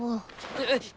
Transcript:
えっ！